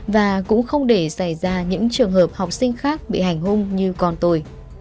và cũng không để xảy ra những trường hợp học sinh khác bị hành hung như con tôi